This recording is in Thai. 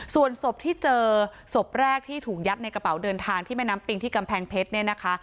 ส่วนศพที่เจอศพแรกที่ถูกยัดในกระเป๋าเดินทางที่แม่น้ำปิงที่กำแพงเพชรเนี่ยนะคะ